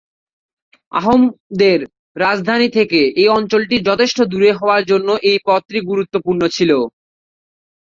আহোমদের রাজধানী থেকে এই অঞ্চলটি যথেষ্ট দূরে হওয়ার জন্য এই পদটি গুরুত্বপূর্ণ ছিল।